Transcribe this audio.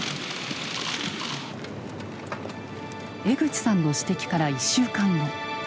江口さんの指摘から１週間後。